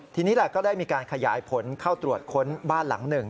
ทีนี้แหละก็ได้มีการขยายผลเข้าตรวจค้นบ้านหลังหนึ่ง